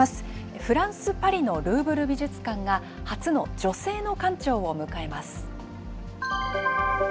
フランス・パリのルーブル美術館が、初の女性の館長を迎えます。